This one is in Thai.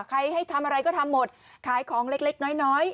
ให้ทำอะไรก็ทำหมดขายของเล็กน้อย